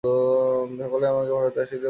সকলেই আমাকে ভারতে আসিতে বলিতেছে।